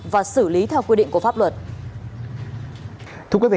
và xử lý theo quy định của pháp luật